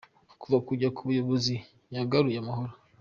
Kuva yajya ku buyobozi yagaruye amahoro.